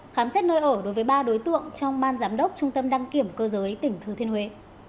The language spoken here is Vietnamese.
khám xét nơi ở đối với ba đối tượng trong ban giám đốc trung tâm đăng kiểm cơ giới tỉnh thừa thiên huế